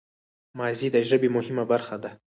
ماضي د ژبي مهمه برخه ده.